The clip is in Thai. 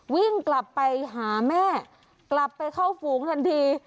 วิ่งกลับไปหาแม่กลับไปเข้าฝูงทันที